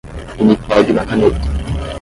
E me pegue uma caneta.